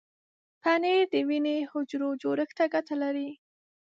پنېر د وینې حجرو جوړښت ته ګټه لري.